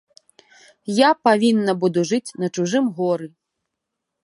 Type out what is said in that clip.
Я павінна буду жыць на чужым горы.